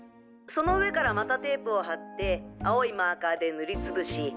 その上からまたテープを貼って青いマーカーで塗りつぶし。